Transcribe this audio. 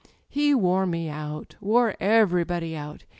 "He wore me out â€" wore everybody out.